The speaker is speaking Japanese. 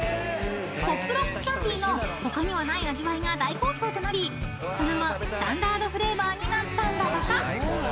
［ポップロックキャンディの他にはない味わいが大好評となりその後スタンダードフレーバーになったんだとか］